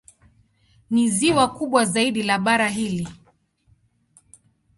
Ni ziwa kubwa zaidi la bara hili.